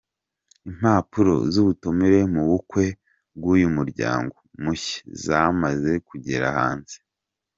Impapuro z'ubutumire mu bukwe bw'uyu muryango mushya zamaze kugera hanze.